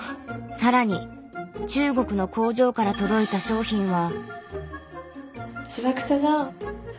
更に中国の工場から届いた商品は。